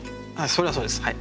それはそうですはい。